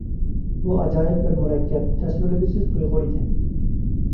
بۇ ئاجايىپ بىر مۇرەككەپ، تەسۋىرلىگۈسىز تۇيغۇ ئىدى.